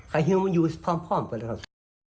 ค่ะคือมันอยู่พร้อมกันนะครับ